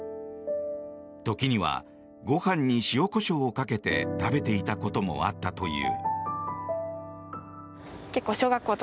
時にはご飯に塩、コショウをかけて食べていたこともあったという。